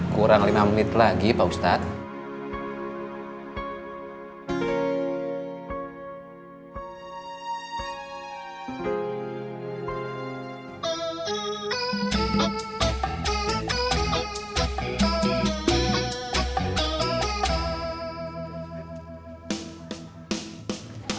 kurang lima menit lagi pak ustadz